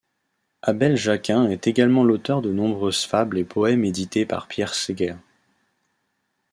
Abel Jacquin est également l'auteur de nombreuses fables et poèmes édités par Pierre Seghers.